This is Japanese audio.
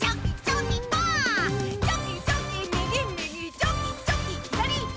チョキチョキ左左。